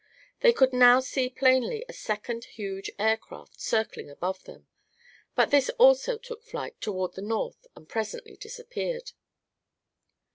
They could now see plainly a second huge aircraft circling above them; but this also took flight toward the north and presently disappeared.